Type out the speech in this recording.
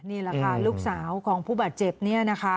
นี่แหละค่ะลูกสาวของผู้บาดเจ็บเนี่ยนะคะ